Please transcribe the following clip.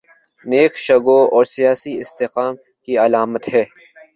نیک شگون اور سیاسی استحکام کی علامت ہے۔